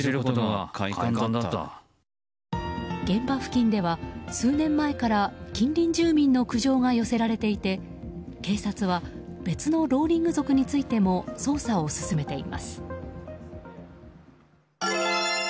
現場付近では数年前から近隣住民の苦情が寄せられていて警察は別のローリング族についても捜査を進めています。